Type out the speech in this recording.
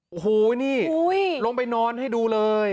โอ้โหนี่ลงไปนอนให้ดูเลย